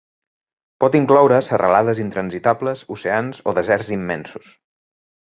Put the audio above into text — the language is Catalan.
Pot incloure serralades intransitables, oceans o deserts immensos.